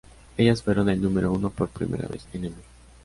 Ellas fueron el número uno por primera vez en "M!